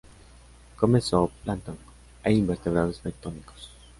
Come zoo plancton e invertebrados bentónicos.